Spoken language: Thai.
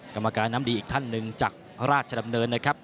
กรรมการน้ำดีอีกท่านหนึ่งจากราชดำเนินนะครับ